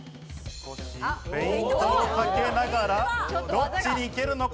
フェイントをかけながら、どっちに蹴るのか？